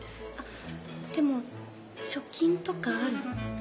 でも貯金とかある？